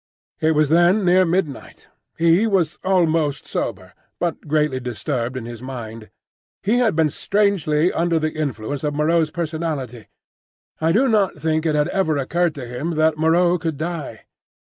It was then near midnight. He was almost sober, but greatly disturbed in his mind. He had been strangely under the influence of Moreau's personality: I do not think it had ever occurred to him that Moreau could die.